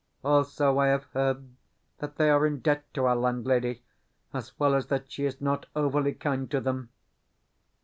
Also I have heard that they are in debt to our landlady, as well as that she is not overly kind to them.